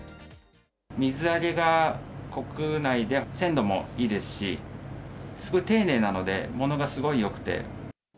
水揚げが国内で鮮度もいいですし、すごい丁寧なので、ものがすごいよくて。